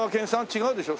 違うでしょ？